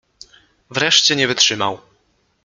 Wreszcie nie wytrzymał.